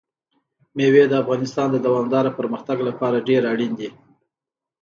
مېوې د افغانستان د دوامداره پرمختګ لپاره ډېر اړین دي.